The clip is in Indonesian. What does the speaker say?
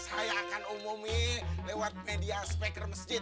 saya akan umumi lewat media speaker masjid